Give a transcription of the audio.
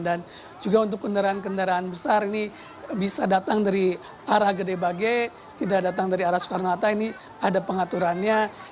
dan juga untuk kendaraan kendaraan besar ini bisa datang dari arah gede bage tidak datang dari arah soekarnata ini ada pengaturannya